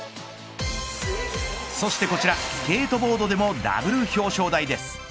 そしてこちらスケートボードでもダブル表彰台です。